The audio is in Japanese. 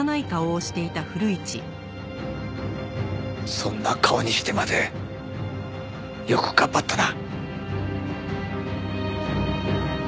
そんな顔にしてまでよく頑張ったな。